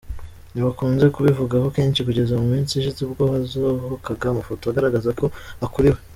Ntibakunze kubivugaho kenshi kugeza mu minsi ishize ubwo hasohokaga amafoto agaragaza ko akuriwe.